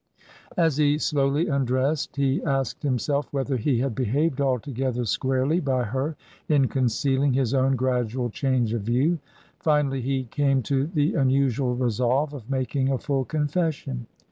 As he slowly undressed he asked himself whether he had behaved altogether squarely by her in concealing his own gradual change of view ; finally, he came to the unusual resolve of making a full confession.